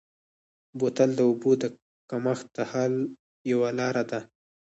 بوتل د اوبو د کمښت د حل یوه لاره ده.